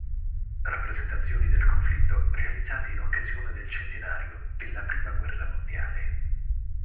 Rappresentazioni del conflitto", realizzate in occasione del centenario della prima guerra mondiale.